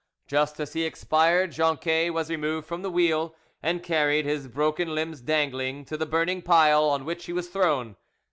Just as he expired, Jonquet was removed from the wheel, and carried, his broken limbs dangling, to the burning pile, on which he was thrown.